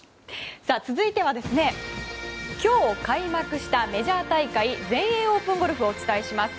続いては今日開幕したメジャー大会全英オープンゴルフをお伝えします。